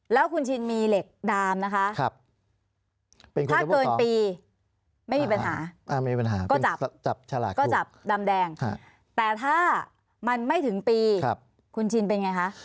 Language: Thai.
แล้วคุณชินมีเหล็กดามนะคะถ้าเกินปีไม่มีปัญหาก็จับดำแดงแต่ถ้ามันไม่ถึงปีคุณชินเป็นไงคะ